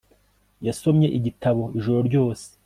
yasomye igitabo ijoro ryose